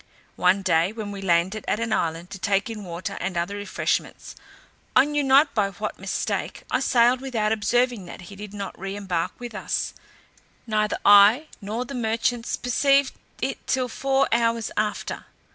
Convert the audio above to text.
One day, when we landed at an island to take in water and other refreshments, I knew not by what mistake, I sailed without observing that he did not re embark with us; neither I nor the merchants perceived it till four hours after.